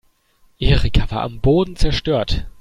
Erika war am Boden zerstört.